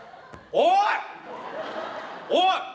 おい。